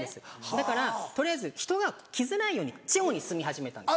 だから取りあえず人が来づらいように地方に住み始めたんです。